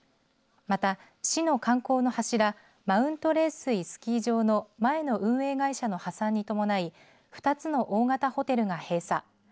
また、市の観光の柱マウントレースイスキー場の前の運営会社の破産に伴い２つの大型ホテルが閉鎖。